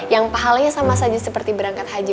yang pahalanya sama saja seperti berangkat haji